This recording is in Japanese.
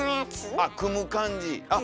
あっ組む感じ？